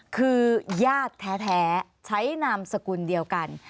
คือญาติแท้ใช้นามสกุลเดียวกัน